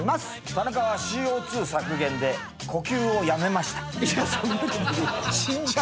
田中はＣＯ２削減で呼吸をやめました。